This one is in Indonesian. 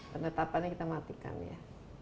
penetapannya kita matikan ya